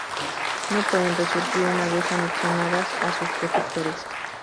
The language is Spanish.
No pueden resurgir una vez anexionadas a sus protectores.